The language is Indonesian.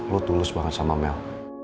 lu tulus banget sama mel